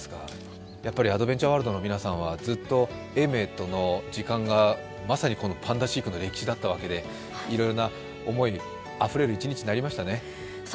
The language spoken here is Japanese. アドベンチャーワールドの皆さんはずっと永明との時間が、まさにパンダ飼育の歴史だったわけで、いろいろな思いあふれる一日になりましたね。